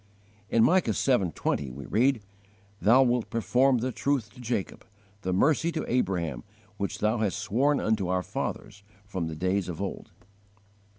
In Micah. vii. 20 we read: "Thou wilt perform the truth to Jacob, The mercy to Abraham, Which thou hast sworn unto our fathers, From the days of old."